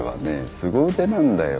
すご腕なんだよ。